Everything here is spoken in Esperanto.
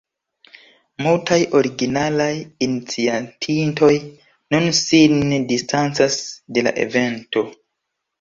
Multaj originalaj iniciatintoj nun sin distancas de la evento.